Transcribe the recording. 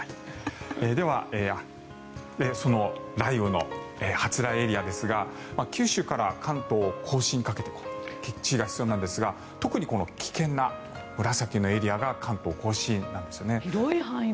では、雷雨の初雷エリアですが九州から関東・甲信にかけて注意が必要なんですが特にこの危険な紫のエリアが関東・甲信なんですね。